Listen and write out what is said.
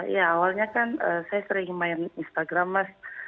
ya awalnya kan saya sering main instagram mas